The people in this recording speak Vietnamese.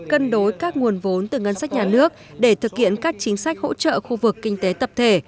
cân đối các nguồn vốn từ ngân sách nhà nước để thực hiện các chính sách hỗ trợ khu vực kinh tế tập thể